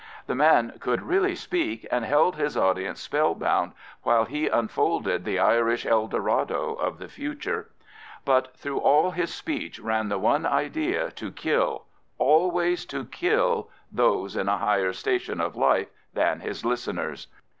The man could really speak, and held his audience spellbound while he unfolded the Irish Eldorado of the future; but through all his speech ran the one idea to kill, always to kill those in a higher station of life than his listeners.